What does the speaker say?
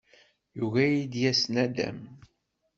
Yugi ad iyi-d-yas naddam.